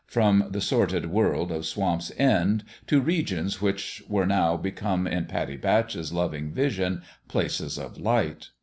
from the sordid world of Swamp's End to re gions which were now become in Pattie Batch's loving vision Places of Light.